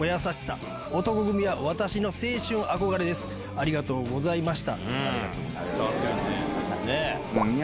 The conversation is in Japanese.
ありがとうございます。